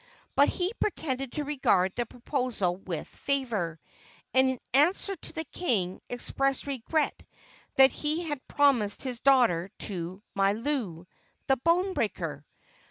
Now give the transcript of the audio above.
But he pretended to regard the proposal with favor, and, in answer to the king, expressed regret that he had promised his daughter to Mailou, the bone breaker.